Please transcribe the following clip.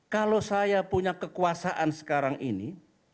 kalau saya punya kekuasaan sekarang ini